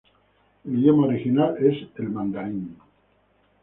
El idioma original es el mandarín.